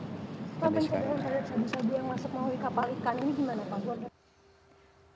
pak bingkai dengan saya saya bisa biar masuk ke kapal ikan ini gimana pak